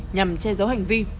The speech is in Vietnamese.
nhằm che giấu hành vi